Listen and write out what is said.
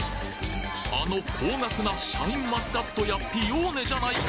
あの高額なシャインマスカットやピオーネじゃないか！